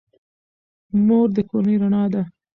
مور د کورنۍ رڼا ده.